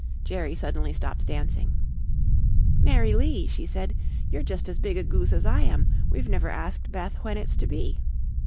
Jerry suddenly stopped dancing. "Mary Lee," she said, "you're just as big a goose as I am. We've never asked Beth when it's to be."